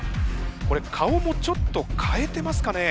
これ顔もちょっと変えてますかね。